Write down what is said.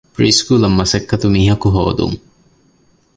ޕްރީ ސްކޫލަށް މަސައްކަތު މީހަކު ހޯދުން